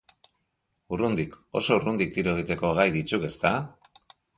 Urrundik, oso urrundik tiro egiteko gai dituk, ezta?